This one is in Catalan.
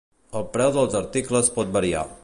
El preu dels articles pot variar.